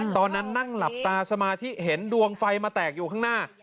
ตอนนั้นนั่งหลับตาสมาธิเห็นดวงไฟมาแตกอยู่ข้างหน้า